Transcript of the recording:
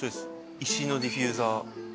石のディフューザー。